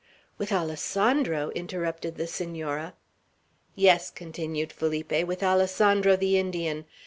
"With Alessandro!" interrupted the Senora. "Yes," continued Felipe, "with Alessandro, the Indian!